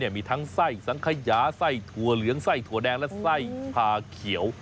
มีทั้งไส้สังขยาไส้ถั่วเหลืองไส้ถั่วแดงและไส้ผ่าเขียว